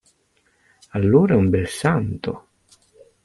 Allora è un bel santo!